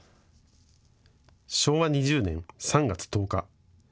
昭和２０年３月１０日。